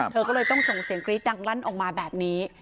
เธอก็เลยต้องส่งเสียงกรี๊ดดังลั่นออกมาแบบนี้